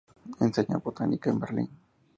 Enseña Botánica en Berlín.